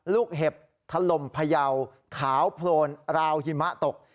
เห็บถล่มพยาวขาวโพลนราวหิมะตก